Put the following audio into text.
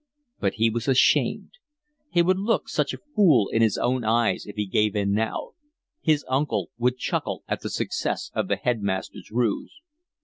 But he was ashamed; he would look such a fool in his own eyes if he gave in now; his uncle would chuckle at the success of the headmaster's ruse.